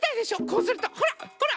こうするとほらほら！